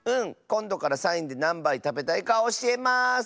こんどからサインでなんばいたべたいかおしえます！